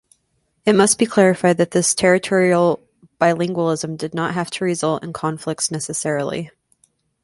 It must be clarified that this territorial bilingualism did not have to result in conflicts necessarily.